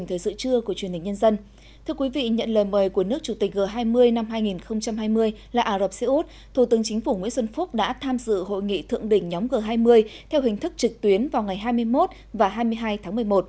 thủ tướng nguyễn xuân phúc đã tham dự hội nghị thượng đỉnh nhóm g hai mươi theo hình thức trịch tuyến vào ngày hai mươi một và hai mươi hai tháng một mươi một